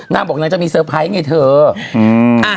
น่าบอกจะมีเซอร์ไพรส์ไงเถอะ